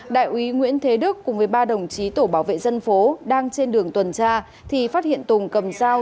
đại úy nguyễn thế đức cùng với ba đồng chí tổ bảo vệ dân phố đang trên đường tuần tra thì phát hiện tùng cầm dao